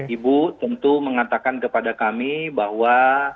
ibu tentu mengatakan kepada kami bahwa